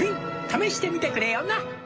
「試してみてくれよな」